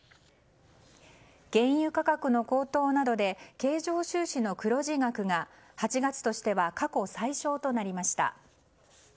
原油価格の高騰などで経常収支の黒字額が８月としては過去最小となりました。